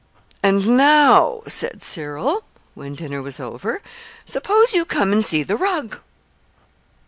"And now," said Cyril, when dinner was over, "suppose you come up and see the rug."